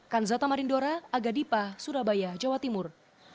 kanzata marindora agadipa surabaya jawa timur